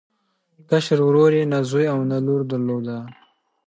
کشر ورور یې نه زوی او نه لور درلوده.